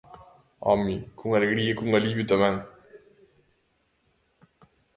Home, con alegría, con alivio tamén.